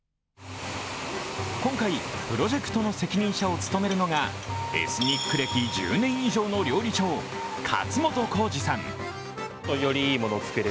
今回、プロジェクトの責任者を務めるのがエスニック歴１０年以上の料理長、勝本浩二さん。